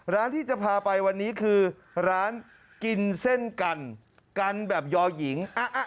ร้านที่จะพาไปวันนี้คือร้านกินเส้นกันกันแบบยอหญิง